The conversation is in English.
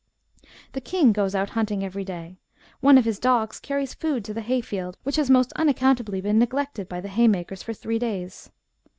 " The king goes out hunting every day ; one of his dogs carries food to the hay field, which has most unaccountably been neglected by the hay makers for three days.